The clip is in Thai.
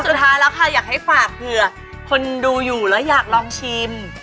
สุดท้ายแล้วค่ะอยากให้ฝากเผื่อคนดูอยู่แล้วอยากลองชิม